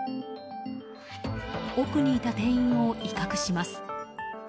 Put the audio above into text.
奥にいた店員を威嚇します。